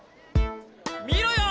見ろよ！